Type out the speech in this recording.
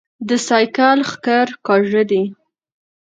د سايکل ښکر کاژه دي